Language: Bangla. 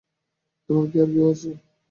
তোমার কি আর কেউ আছে?